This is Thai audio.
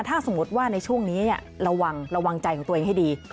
ถ้าสมมุติว่าในช่วงนี้ระวังระวังใจของตัวเองให้ดี